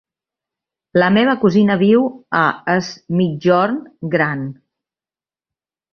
La meva cosina viu a Es Migjorn Gran.